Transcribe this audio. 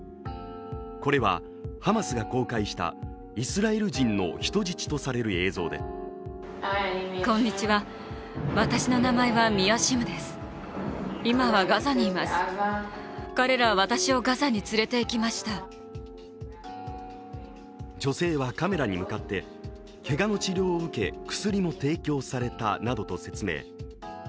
これはハマスが公開したイスラエル人の人質とされる映像で女性はカメラに向かってけがの治療を受け薬も提供されたなどと説明。